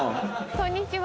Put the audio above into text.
こんにちは。